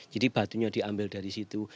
jadi batunya diambil dari situ